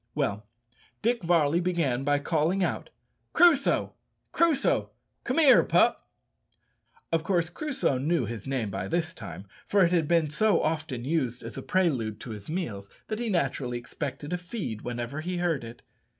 Well; Dick Varley began by calling out, "Crusoe! Crusoe! come here, pup." Of course Crusoe knew his name by this time, for it had been so often used as a prelude to his meals that he naturally expected a feed whenever he heard it.